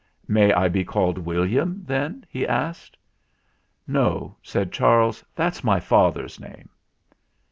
"May I be called William,' then?" he asked. "No," said Charles; "that's my father's name."